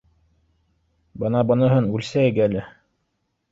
Бына быныһын үлсәйек әле.